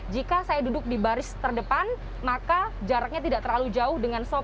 jika saya duduk di baris terdepan maka jaraknya tidak terlalu jauh dengan sop